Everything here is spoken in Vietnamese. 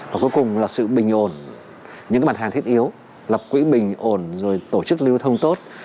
và cuối cùng là sự bình ổn những mặt hàng thiết yếu lập quỹ bình ổn rồi tổ chức lưu thông tốt